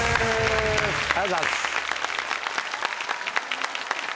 ありがとうございます。